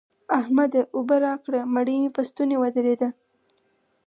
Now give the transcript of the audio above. احمده! اوبه راکړه؛ مړۍ مې په ستونې ودرېده.